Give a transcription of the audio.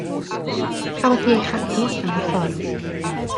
Cafodd hi ei chadw allan o'r ffordd.